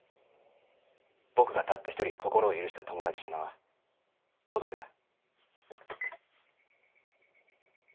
僕がたった１人心を許した友達の名は「孤独」だ。